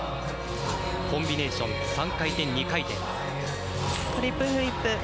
コンビネーション、３回転、２回転。